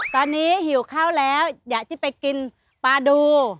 ตอนนี้หิวข้าวแล้วอยากจะไปกินปลาดู